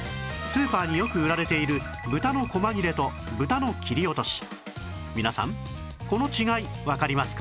スーパーによくある豚のこま切れと豚の切り落とし。